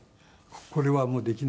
これはもうできない。